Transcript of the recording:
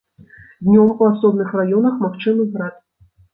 Днём у асобных раёнах магчымы град.